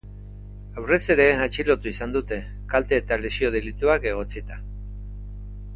Aurrez ere atxilotu izan dute kalte eta lesio delituak egotzita.